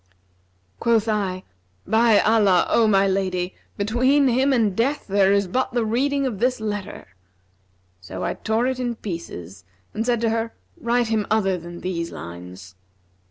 Quoth I, 'By Allah, O my lady, between him and death there is but the reading of this letter!' So I tore it in pieces and said to her, 'Write him other than these lines.'